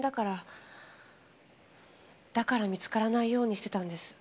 だから見つからないようにしてたんです。